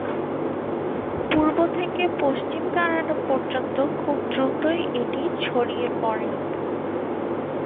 পূর্ব থেকে পশ্চিম কানাডা পর্যন্ত খুব দ্রুতই এটি ছড়িয়ে পড়ে।